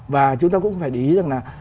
và chúng ta cũng phải để ý rằng là